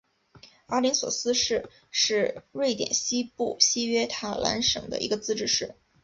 阿灵索斯市是瑞典西部西约塔兰省的一个自治市。